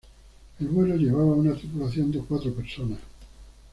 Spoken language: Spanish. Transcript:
El vuelo llevaba una tripulación de cuatro personas.